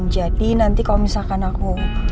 nanti kalau misalkan aku